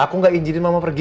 aku nggak izinin mama pergi